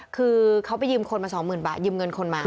คือเขาไปยืมคนมา๒๐๐๐บาทยืมเงินคนมา